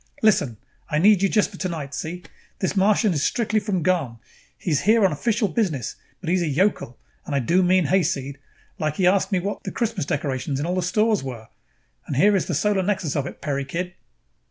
Listen, I need you just for tonight, see? This Martian is strictly from gone. He is here on official business, but he is a yokel and I do mean hayseed. Like he asked me what the Christmas decorations in all the stores were! And here is the solar nexus of it, Peri, kid."